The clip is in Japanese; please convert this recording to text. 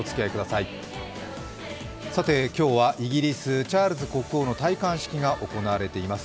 さて、今日は、イギリスチャールズ国王の戴冠式が行われています。